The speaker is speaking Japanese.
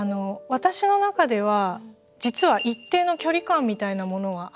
私の中では実は一定の距離感みたいなものがあるんですよ。